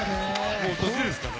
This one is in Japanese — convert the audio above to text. もう年ですからね。